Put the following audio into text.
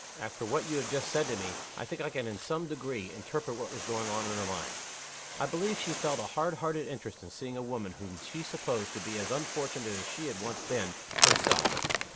After what you have just said to me, I think I can in some degree interpret what was going on in her mind. I believe she felt a hard hearted interest in seeing a woman whom she supposed to be as unfortunate as she had once been herself.